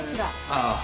ああ。